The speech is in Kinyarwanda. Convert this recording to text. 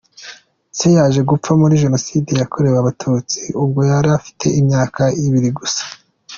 Se yaje gupfa muri Jenoside yakorewe Abatutsi ubwo yari afite imyaka ibiri gusa.